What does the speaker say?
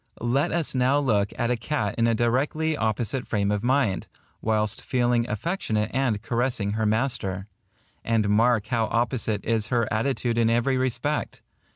10 Let us now look at a cat in a directly opposite frame of mind, whilst feeling affectionate and caressing her master; and mark how opposite is her attitude in every respect.